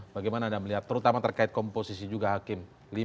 bagaimana anda melihat terutama terkait komposisi juga hakim